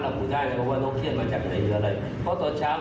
ตอบคำถามวาเลนไทยรับรางวัลอะไรไปเรียบร้อย